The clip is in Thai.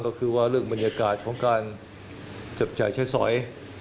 ก็คือว่าเรื่องบรรยากาศของการจับจ่ายใช้สอย